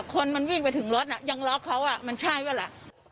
คนมันวิ่งไปถึงรถยังล็อกเขามันใช่ป่ะล่ะ